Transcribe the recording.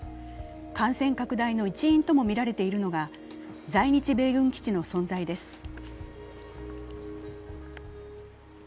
感染拡大の一因とも見られているのが在日米軍基地の存在です。